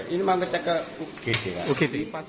ini mau ngecek ke ugd